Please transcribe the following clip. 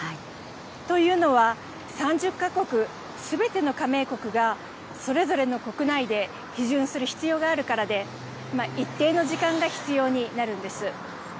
というのは、３０か国すべての加盟国がそれぞれの国内で批准する必要があるからで、一定の時間が必要になるんです。